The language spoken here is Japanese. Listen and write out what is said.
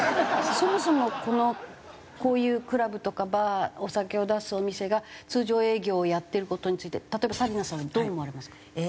そもそもこのこういうクラブとかバーお酒を出すお店が通常営業をやってる事について例えば紗理奈さんはどう思われますか？